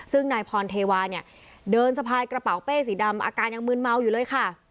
ซึ่งนายพรเทวาเนี่ยเดินสะพายกระเป๋าเป้สีดำอาการยังมืนเมาอยู่เลยค่ะ